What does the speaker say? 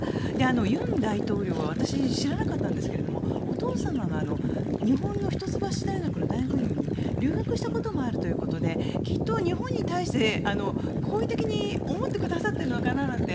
尹大統領は私、知らなかったんですがお父様が日本の一橋大学の大学院に留学したこともあるということできっと日本に対して好意的に思ってくださっているのかななんて